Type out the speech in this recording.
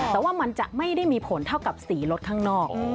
แต่ว่ามันจะไม่ได้มีผลเท่ากับสีรถข้างนอก